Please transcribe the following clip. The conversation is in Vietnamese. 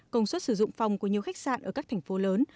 công suất sử dụng phòng của nhiều khách sạn ở các thành phố lớn